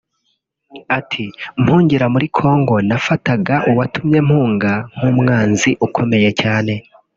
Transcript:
Ati” Mpungira muri Congo nafataga uwatumye mpunga nk’umwanzi ukomeye cyane